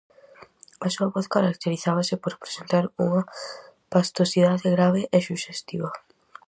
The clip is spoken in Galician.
A súa voz caracterizábase por presentar unha pastosidade grave e suxestiva.